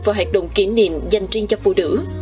và hoạt động kỷ niệm dành riêng cho phụ nữ